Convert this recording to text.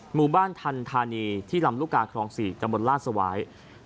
หมู่บ้านทันธานีที่ลำลูกกาครอง๔ตำบลลาดสวาย